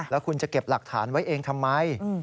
แล้วคุณจะเก็บหลักฐานไว้เองทำไม